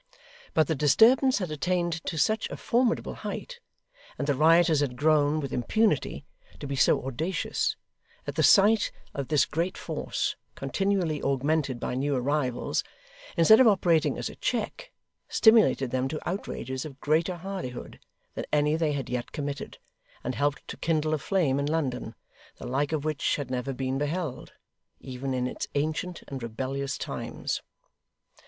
But the disturbance had attained to such a formidable height, and the rioters had grown, with impunity, to be so audacious, that the sight of this great force, continually augmented by new arrivals, instead of operating as a check, stimulated them to outrages of greater hardihood than any they had yet committed; and helped to kindle a flame in London, the like of which had never been beheld, even in its ancient and rebellious times.